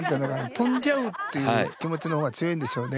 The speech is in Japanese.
飛んじゃうっていう気持ちの方が強いんでしょうね。